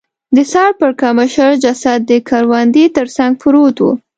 د سر پړکمشر جسد د کروندې تر څنګ پروت و.